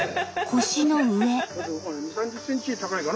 腰の上。